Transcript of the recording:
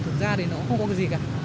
thực ra thì nó không có cái gì cả